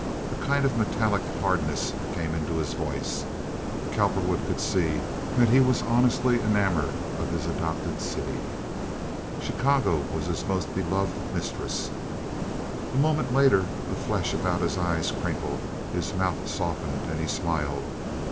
A kind of metallic hardness came into his voice. Cowperwood could see that he was honestly enamoured of his adopted city. Chicago was his most beloved mistress. A moment later the flesh about his eyes crinkled, his mouth softened, and he smiled.